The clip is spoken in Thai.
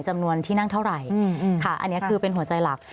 จำนวนที่นั่งเท่าไหร่ค่ะอันนี้คือเป็นหัวใจหลัก